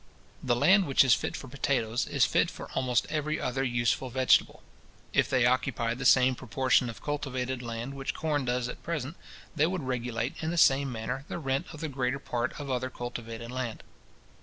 The land which is fit for potatoes, is fit for almost every other useful vegetable. If they occupied the same proportion of cultivated land which corn does at present, they would regulate, in the same manner, the rent of the greater part of other cultivated land.